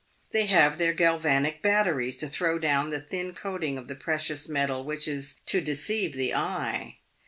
They have their gal vanic batteries to throw down the thin coating of the precious metal which is to deceive the eye.